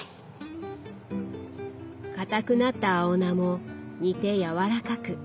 硬くなった青菜も煮て軟らかく。